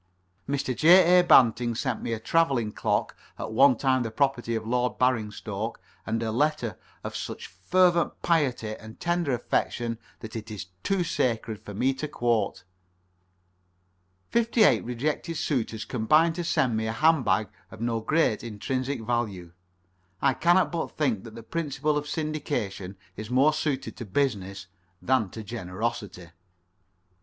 Mr. J. A. Banting sent me a travelling clock at one time the property of Lord Baringstoke, and a letter of such fervent piety and tender affection that it is too sacred for me to quote. Fifty eight rejected suitors combined to send me a hand bag of no great intrinsic value. I cannot but think that the principle of syndication is more suited to business than to generosity.